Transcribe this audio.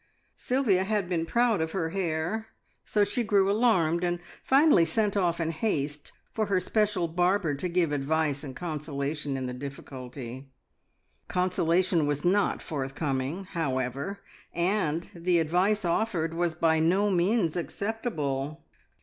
Sylvia had been proud of her hair, so she grew alarmed, and finally sent off in haste for her special barber to give advice and consolation in the difficulty. Consolation was not forthcoming, however, and the advice offered was by no means acceptable.